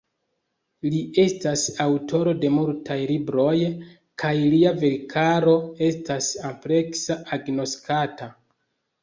Li estas aŭtoro de multaj libroj, kaj lia verkaro estas ampleksa agnoskata.